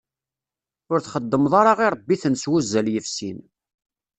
Ur txeddmeḍ ara iṛebbiten s wuzzal yefsin.